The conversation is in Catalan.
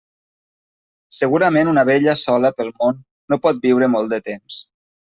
Segurament una abella sola pel món no pot viure molt de temps.